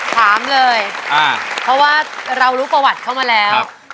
ถามเลยเพราะว่าเรารู้ประวัติเข้ามาแล้ว